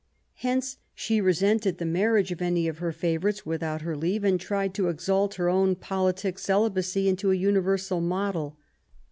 Hence she resented the marriage of any of her favourites without her leave, and tried to exalt her own politic celibacy into a universal model.